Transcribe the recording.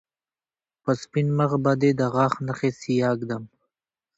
په سپين مخ به دې د غاښ نښې سياه ږدم